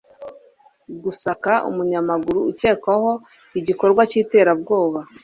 gusaka umunyamaguru ukekwaho igikorwa k'iterabwoba.